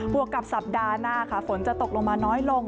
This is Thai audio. วกกับสัปดาห์หน้าค่ะฝนจะตกลงมาน้อยลง